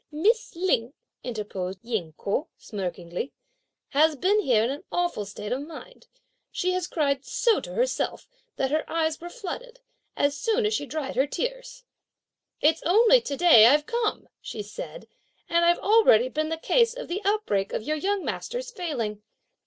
"Miss Lin," interposed Ying Ko smirkingly, "has been here in an awful state of mind! She has cried so to herself, that her eyes were flooded, as soon as she dried her tears. 'It's only to day that I've come,' she said, 'and I've already been the cause of the outbreak of your young master's failing.